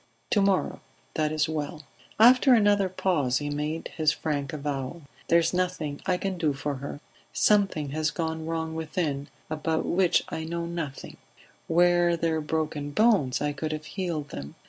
To morrow; that is well." After another pause he made his frank avowal. "There is nothing I can do for her. Something has gone wrong within, about which I know nothing; were there broken bones I could have healed them.